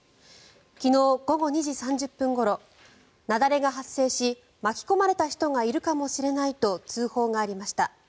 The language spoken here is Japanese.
昨日午後２時３０分ごろ雪崩が発生し巻き込まれた人がいるかもしれないと通報がありました。